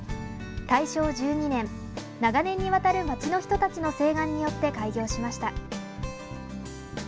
大正１２年、長年にわたる町の人たちの請願によって開業しました。